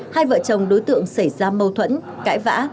hai vợ chồng đối tượng xảy ra mâu thuẫn cãi vã